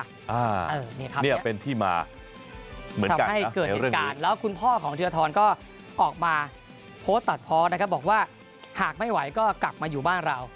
ถูกต้องค่ะเนี่ยเป็นที่มาเหมือนกันนะทำให้เกิดเหตุการณ์แล้วคุณพ่อของเทือทรอนก็ออกมาโพสต์ตัดพอบอกว่าหากไม่ไหวก็กลับมาอยู่บ้านเรา